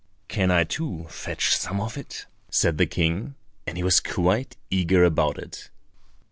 "Can I too fetch some of it?" said the King; and he was quite eager about it.